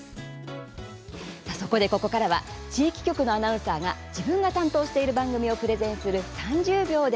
そこでここからは地域局のアナウンサーが自分が担当している番組をプレゼンする